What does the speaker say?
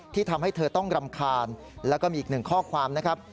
ที่ทำให้เธอต้องรำคาญแล้วก็มีอีกหนึ่งข้อความนะครับ